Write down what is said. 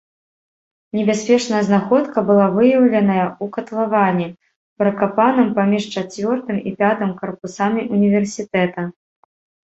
Небяспечная знаходка была выяўленая ў катлаване, пракапаным паміж чацвёртым і пятым карпусамі універсітэта.